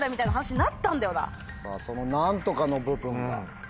さぁその何とかの部分が。